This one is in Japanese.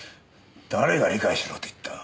誰が理解しろと言った。